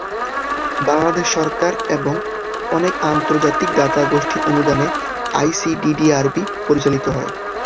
বাংলাদেশ সরকার এবং অনেক আন্তর্জাতিক দাতাগোষ্ঠীর অনুদানে আইসিডিডিআর, বি পরিচালিত হয়।